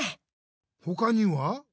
ほかには？